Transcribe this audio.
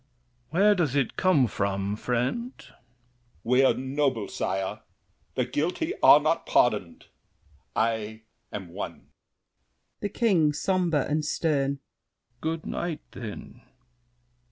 Where does it come from, friend? L'ANGELY. We're noble, sire! The guilty are not pardoned. I am one. THE KING (somber and stern). Good night, then!